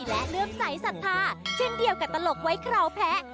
และเรื่องใสสัทธาเช่นเดียวกับตลกไว้คราวแพ้